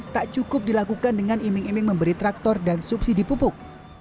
tak cukup dilakukan dengan iming iming memberi traktor dan subsidi pupuk